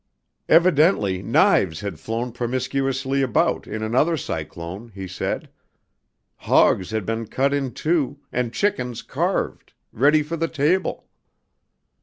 Evidently knives had flown promiscuously about in another cyclone, he said. Hogs had been cut in two and chickens carved, ready for the table.